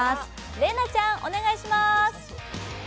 麗菜ちゃん、お願いします。